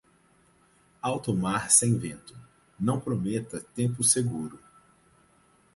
Alto mar sem vento, não prometa tempo seguro.